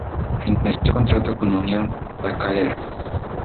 Finalizó contrato con Unión La Calera.